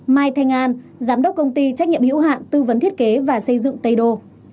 mai thanh an giám đốc công ty trách nhiệm hiểu hạn tư vấn thiết kế và xây dựng tây đô